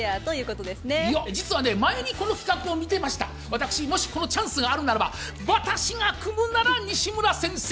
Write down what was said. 私もしこのチャンスがあるならば私が組むなら西村先生